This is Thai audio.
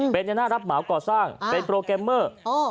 เป็นในหน้ารับเหมาก่อสร้างเป็นโปรแกรมเมอร์